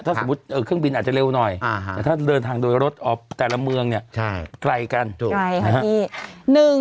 ถ้าสมมุติเครื่องบินอาจจะเร็วหน่อยแต่ถ้าเดินทางโดยรถออกแต่ละเมืองเนี่ยไกลกันถูกใช่ค่ะพี่